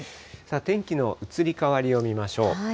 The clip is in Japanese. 天気の移り変わりを見ましょう。